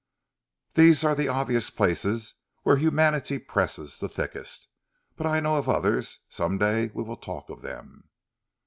These are the obvious places where humanity presses the thickest, but I know of others. Some day we will talk of them."